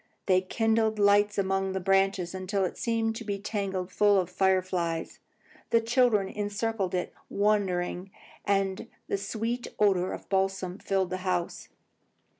They kindled lights among the branches until it seemed to be tangled full of fire flies. The children encircled it, wondering, and the sweet odour of the balsam filled the house.